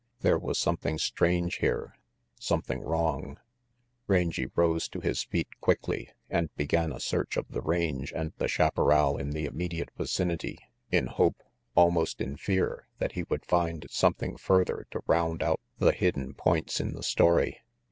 There was something strange here, something wrong. Rangy rose to his feet quickly, and began a search of the range and the chaparral in the immediate vicinity, in hope, almost in fear, that he would find something further to round out the hidden points in the story.